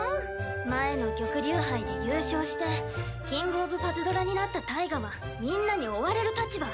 前の玉龍杯で優勝してキング・オブ・パズドラになったタイガはみんなに追われる立場。